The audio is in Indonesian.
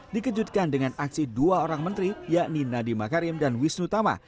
dikejutkan dengan aksi dua orang menteri yakni nadiem makarim dan wisnu tama